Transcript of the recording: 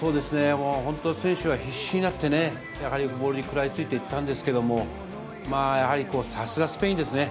もう本当、選手は必死になってね、やはりボールに食らいついていったんですけれども、まあやはり、さすがスペインですね。